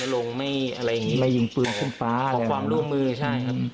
ลงไม่อะไรอย่างงี้ไม่ยิงปืนขึ้นฟ้าขอความร่วมมือใช่ครับ